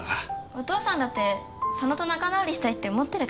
お父さんだって佐野と仲直りしたいって思ってるかもしれないじゃん。